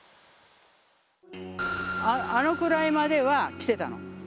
あのくらいまでは来てたの。